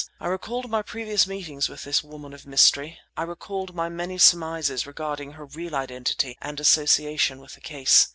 I recalled my previous meetings with this woman of mystery. I recalled my many surmises regarding her real identity and association with the case.